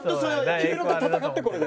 黄色と戦ってこれで。